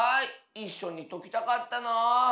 いっしょにときたかったなあ。